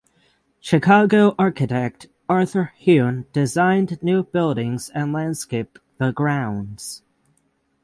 Chicago architect Arthur Heun designed new buildings and landscaped the grounds.